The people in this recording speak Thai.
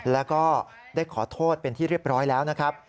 แล้วก็ได้ขอโทษเป็นที่เรียบร้อยแล้วนะครับ